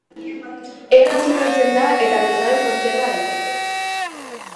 Erraz lehortzen da eta luzaro kontserba daiteke.